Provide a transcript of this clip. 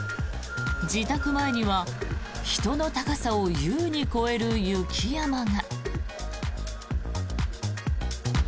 自宅前には人の高さを優に超える雪山が。